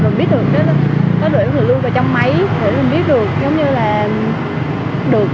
rồi mình biết được nó được lưu vào trong máy rồi mình biết được giống như là được